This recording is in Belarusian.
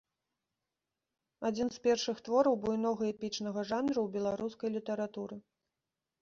Адзін з першых твораў буйнога эпічнага жанру ў беларускай літаратуры.